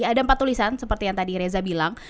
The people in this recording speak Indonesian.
ada empat tulisan seperti yang tadi reza bilang